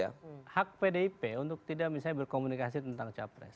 dan hak pdip untuk tidak misalnya berkomunikasi tentang capres